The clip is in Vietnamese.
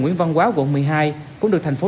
nguyễn văn quá quận một mươi hai cũng được thành phố